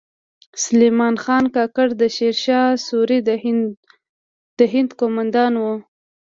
سلیمان خان کاکړ د شیر شاه سوري د هند کومندان و